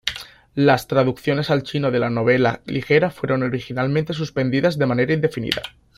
Las traducciones al chino de la novela ligera fueron originalmente suspendidas de manera indefinida.